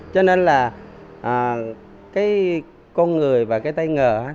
cho nên là cái con người và cái tài năng của con người